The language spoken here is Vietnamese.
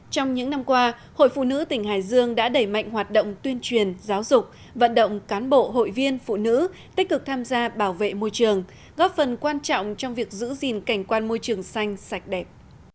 trong những năm qua hội phụ nữ tỉnh hải dương đã đẩy mạnh hoạt động tuyên truyền giáo dục vận động cán bộ hội viên phụ nữ tích cực tham gia bảo vệ môi trường góp phần quan trọng trong việc giữ gìn cảnh quan môi trường xanh sạch đẹp